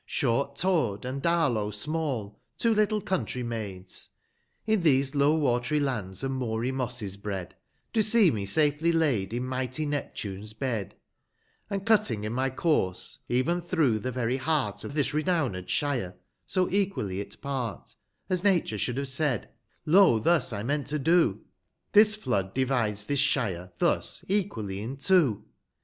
Short Taiul, and Dartow small, two little country maids, (In those low wat'ry lands, and moory mosses bred) Do see me safely laid in mighty Ni'jdanc's bed ; 120 And cutting in my course, even through the very heart Of this renowned Shire, so equally it part, As Natun^ should have said, Lo thus I meant to do ; This Flood dividi'.s this Shire thus eipially in two.